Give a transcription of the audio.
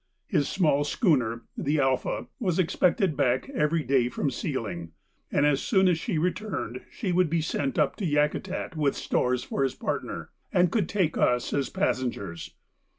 His small schooner, the 'Alpha,' was expected back every day from sealing, and as soon as she returned she would be sent up to Yakutat with stores for his partner, and could take us as passengers.